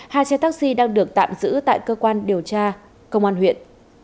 hai xe taxi đang được tạm giữ tại cơ quan điều tra công an huyện